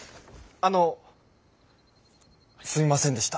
あのすみませんでした。